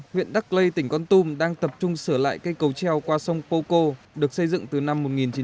huyện đắc lây tỉnh con tôm đang tập trung sửa lại cây cầu treo qua sông pô cô được xây dựng từ năm một nghìn chín trăm chín mươi hai